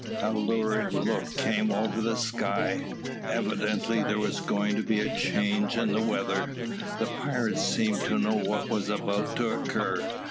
A lurid look came over the sky. Evidently there was going to be a change in the weather. The pirates seemed to know what was about to occur.